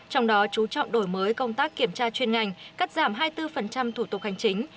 trong đó chú trọng đổi mới công tác kiểm tra chuyên ngành cắt giảm hai mươi bốn thủ tục hành chính